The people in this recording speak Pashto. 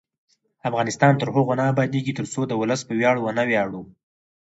افغانستان تر هغو نه ابادیږي، ترڅو د ولس په ویاړ ونه ویاړو.